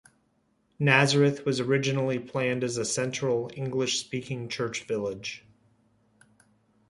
Nazareth was originally planned as a central English-speaking church village.